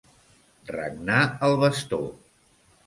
Regnar el bastó.